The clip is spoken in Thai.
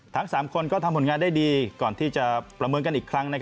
ทั้ง๓คนก็ทำผลงานได้ดีก่อนที่จะประเมินกันอีกครั้ง